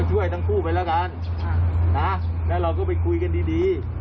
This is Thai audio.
ช่วยทั้งคู่ไปแล้วกันแล้วเราก็ไปคุยกันดี